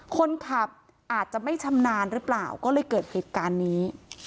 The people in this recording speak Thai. คนขับอาจจะไม่ชำนาญหรือเปล่าก็เลยเกิดเหตุการณ์นี้